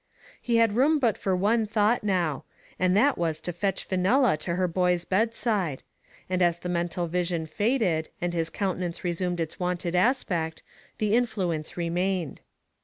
He had room but for one thought now, and that was to fetch Fenella to her boy's bedside ; and as the mental vision faded, and his counte nance resumed its wonted aspect, the influence remained.